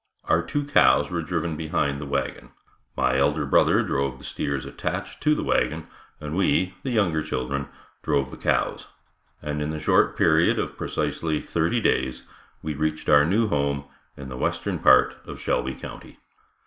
Our two cows were driven behind the wagon. My elder brother drove the steers attached to the wagon, and we, the younger children drove the cows, and in the short period of precisely thirty days we reached our new home in the western part of Shelby county.